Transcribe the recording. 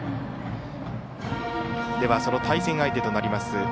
その対戦相手となります